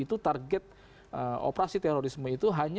itu target operasi terorisme itu hanya